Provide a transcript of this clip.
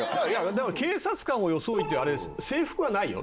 でも警察官を装うってあれ制服はないよ。